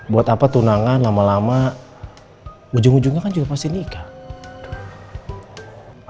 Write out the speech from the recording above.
buat apa tunangan lama lama ujung ujungnya kan juga pasti nikah